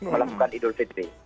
melakukan idul fitri